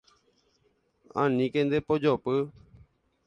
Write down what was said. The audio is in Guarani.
Aníke ndepojopy.